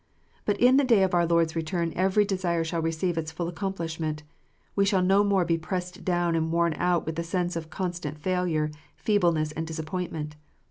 But in the day of our Lord s return every desire shall receive its full accomplishment. We shall no more be pressed down and worn out with the sense of constant failure, feebleness, and disappointment.